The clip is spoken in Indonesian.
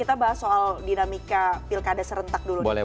kita bahas soal dinamika pilkada serentak dulu